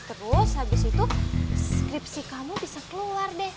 terus habis itu skripsi kamu bisa keluar deh